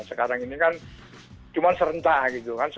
sekarang ini kan cuma serentak gitu kan